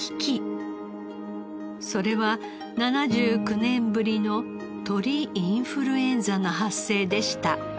それは７９年ぶりの鳥インフルエンザの発生でした。